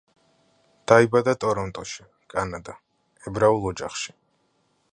დაიბადა ტორონტოში, კანადა, ებრაულ ოჯახში.